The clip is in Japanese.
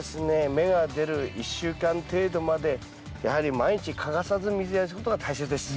芽が出る１週間程度までやはり毎日欠かさず水やりすることが大切です。